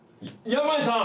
山家さん！